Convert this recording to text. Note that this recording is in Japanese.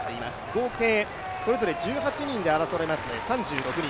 合計それぞれ１８人で争われますので３６人。